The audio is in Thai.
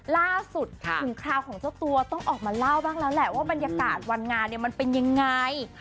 ล่าสุดถึงคราวของเจ้าตัวต้องออกมาเล่าบ้างแล้วแหละว่าบรรยากาศวันงานเนี่ยมันเป็นยังไง